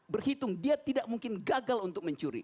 berhitung dia tidak mungkin gagal untuk mencuri